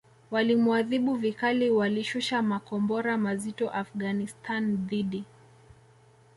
walimuadhibu vikali Walishusha makombora mazito Afghanistan dhidi